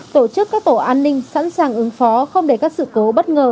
tổ chức các tổ an ninh sẵn sàng ứng phó không để các sự cố bất ngờ